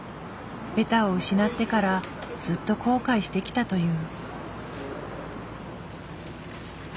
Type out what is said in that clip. ベタを失ってからずっと後悔してきたという。